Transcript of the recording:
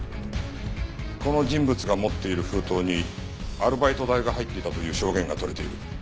この人物が持っている封筒にアルバイト代が入っていたという証言が取れている。